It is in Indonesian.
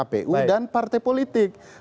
mestinya kan partai yang disalahkan